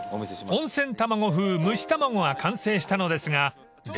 ［温泉卵風蒸し卵が完成したのですがで